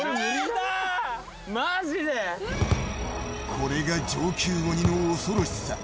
これが上級鬼の恐ろしさ。